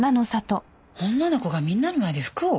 女の子がみんなの前で服を？